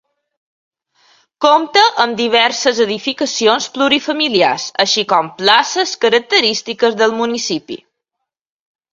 Compta amb diverses edificacions plurifamiliars, així com places, característiques del municipi.